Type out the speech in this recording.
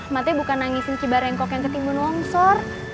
emak teh bukan nangisin cibarengkok yang ketimbun longsor